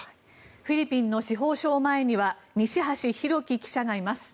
フィリピンの司法省前には西橋拓輝記者がいます。